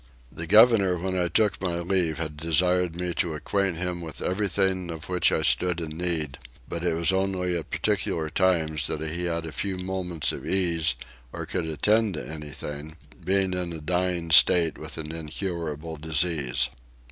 The governor when I took my leave had desired me to acquaint him with everything of which I stood in need; but it was only at particular times that he had a few moments of ease, or could attend to anything, being in a dying state with an incurable disease.